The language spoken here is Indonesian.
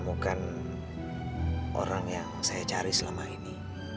bukan orang yang saya cari selama ini